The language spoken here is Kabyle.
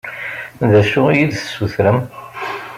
D acu i yi-d-tessutrem?